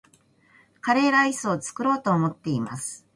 カレーライスを作ろうと思っています